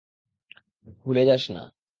ভুলে যাস না।